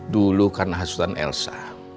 dulu karena hasutan elsa